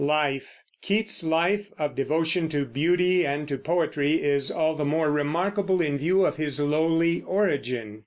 LIFE. Keats's life of devotion to beauty and to poetry is all the more remarkable in view of his lowly origin.